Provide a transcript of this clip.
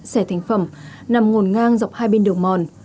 xẻ thành phẩm nằm ngổn ngang dọc hai bên đường mòn